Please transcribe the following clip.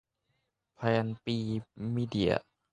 แพลน บี มีเดีย